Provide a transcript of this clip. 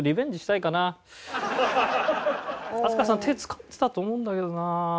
あとはちょっと飛鳥さん手使ってたと思うんだけどな。